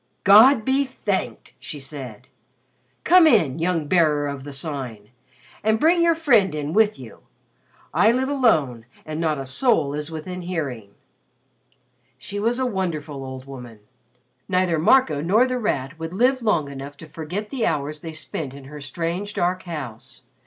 "God be thanked!" she said. "Come in, young Bearer of the Sign, and bring your friend in with you. I live alone and not a soul is within hearing." She was a wonderful old woman. Neither Marco nor The Rat would live long enough to forget the hours they spent in her strange dark house.